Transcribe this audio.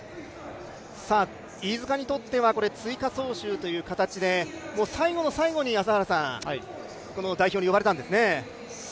飯塚にとっては追加招集という形で最後の最後に代表に呼ばれたんですね。